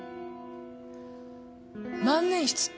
万年筆って？